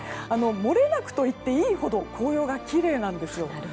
もれなくと言っていいほど紅葉がきれいなんです。